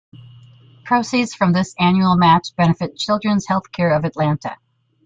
Proceeds from this annual match benefit Children's Healthcare of Atlanta.